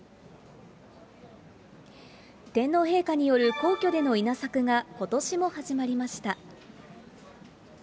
天皇陛下による皇居での稲作がことしも始まりました。